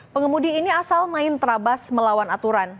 pengemudi ini asal main terabas melawan aturan